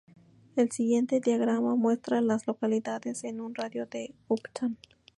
El siguiente diagrama muestra a las localidades en un radio de de Upton.